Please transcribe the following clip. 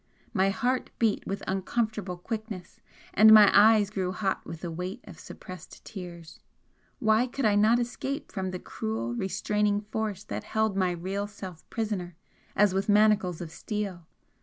My heart beat with uncomfortable quickness and my eyes grew hot with the weight of suppressed tears; why could I not escape from the cruel, restraining force that held my real self prisoner as with manacles of steel?